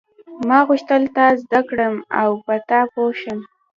ما غوښتل تا زده کړم او په تا پوه شم.